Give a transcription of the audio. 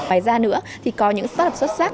ngoài ra nữa thì có những start up xuất sắc